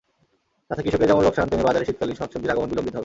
তাতে কৃষকের যেমন লোকসান, তেমনি বাজারে শীতকালীন শাকসবজির আগমন বিলম্বিত হবে।